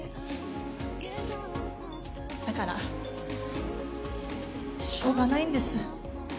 だからしようがないんです。